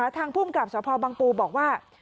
ทางภูมิกับสพบังปูบอกว่า